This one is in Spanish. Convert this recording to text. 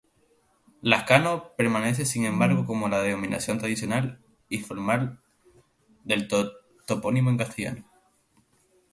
Lazcano permanece sin embargo como la denominación tradicional y formal del topónimo en castellano.